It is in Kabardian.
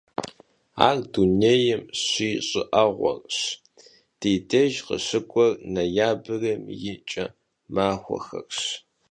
Ar dunêym şiş'ı'eğueş, di dêjj khışık'uer noyabrım yi ç'e maxuexerş.